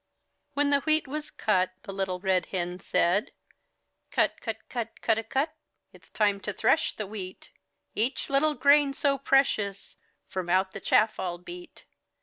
tt' tr When the wheat was cut. Little Red Hen said: "Cut, cut, cut, cudawcut! It's time to thresh the wheat; Each little grain so precious From out the chaff I'll beat.